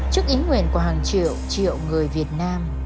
trước ý nguyện của hàng triệu triệu người việt nam